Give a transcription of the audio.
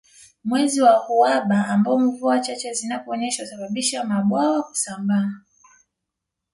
Mwezi wa uhaba ambao mvua chache zinaponyesha husababisha mabwawa kusambaa